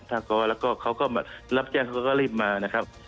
ถ้าเขาแล้วก็เขาก็มารับแจ้งเขาก็รีบมานะครับ